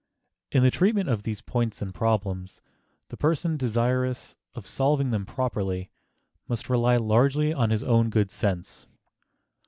In the treatment of these points and problems the person desirous of solving them properly must rely largely on his own good sense.